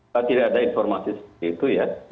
saya tidak ada informasi seperti itu ya